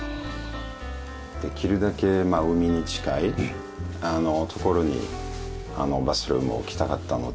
できるだけ海に近い所にバスルームを置きたかったので。